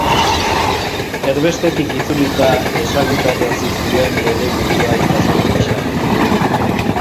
Erbestetik itzulita ezagutarazi zuen bere burua idazle gisa.